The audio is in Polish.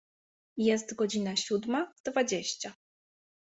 Jest godzina siódma dwadzieścia.